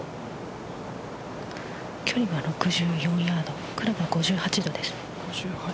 距離は６４ヤード角度は５８度です。